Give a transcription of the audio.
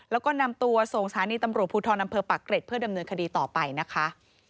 แล้วก็นำตัวส่งสถานีตำรวจภูทรอำเภอปักเกร็ดเพื่อดำเนินคดีต่อไปนะคะ